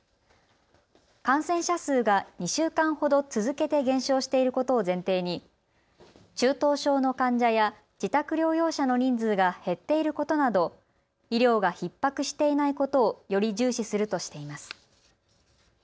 感染者数が２週間ほど続けて減少していることを前提に中等症の患者や自宅療養者の人数が減っていることなど医療がひっ迫していないことをより重視するとしています。